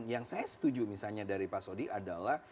yang saya setuju misalnya dari pak sodi adalah